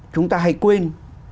chúng ta hay quên